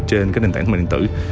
trên cái nền tảng thương mại điện tử